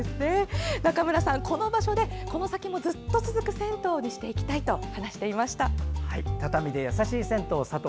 中村さん、この場所でこの先も長くずっと続く銭湯にしていきたいと話していました。